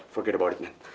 lupakan saja men